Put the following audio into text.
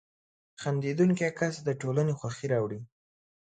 • خندېدونکی کس د ټولنې خوښي راوړي.